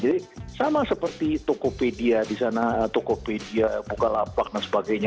jadi sama seperti tokopedia di sana tokopedia bukalapak dan sebagainya